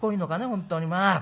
本当にまあ」。